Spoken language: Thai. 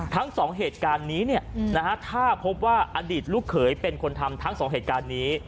ทั้งสองเหตุการณ์นี้ถ้าพบว่าอดีตลูกเขยเป็นคนทำทั้งสองเหตุการณ์นี้